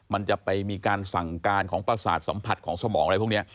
มันจะไปมีการสั่งการของประสาทสัมผัสของสมองอะไรพวกนี้